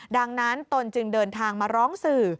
ดังนั้นตนจึงเดินทางมาร้องสื่อ